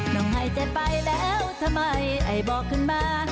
หน่งไห้จะไปแล้วท่าไม่ไอ้บ่อขึ้นมา